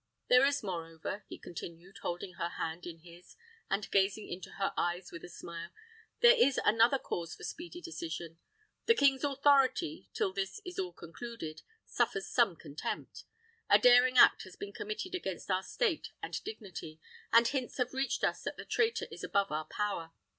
There is, moreover," he continued, holding her hand in his, and gazing into her eyes with a smile, "there is another cause for speedy decision. The king's authority, till this is all concluded, suffers some contempt. A daring act has been committed against our state and dignity, and hints have reached us that the traitor is above our power.